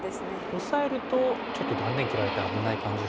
オサえるとちょっと断点切られて危ない感じがしますよね。